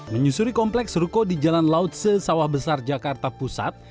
menyusuri kompleks ruko di jalan laut sesawah besar jakarta pusat